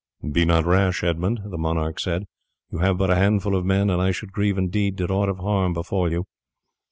"Be not rash, Edmund," the monarch said, "you have but a handful of men, and I should grieve indeed did aught of harm befall you.